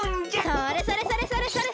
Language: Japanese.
それそれそれそれそれ！